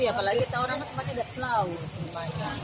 masih apalagi kita orangnya tempatnya dari selaw